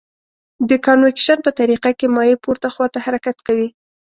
د کانویکشن په طریقه کې مایع پورته خواته حرکت کوي.